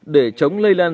để chống lây lan